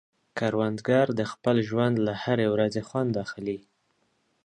کروندګر د خپل ژوند له هرې ورځې خوند اخلي